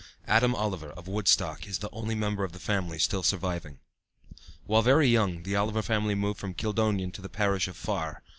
Adam Oliver, of Woodstock, is the only member of the family still surviving. While very young the Oliver family moved from Kildonan to the parish of Farr.